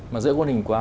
mà giữa quân hình quá